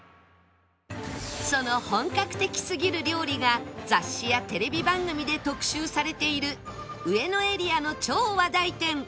その本格的すぎる料理が雑誌やテレビ番組で特集されている上野エリアの超話題店